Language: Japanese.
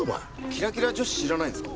キラキラ女子知らないんですか？